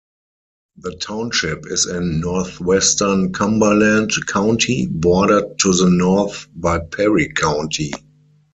The township is in northwestern Cumberland County, bordered to the north by Perry County.